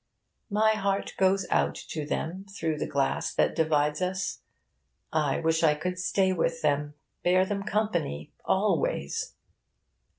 My heart goes out to them through the glass that divides us. I wish I could stay with them, bear them company, always.